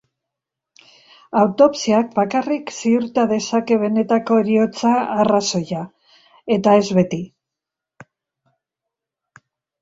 Autopsiak bakarrik ziurta dezake benetako heriotza arrazoia, eta ez beti.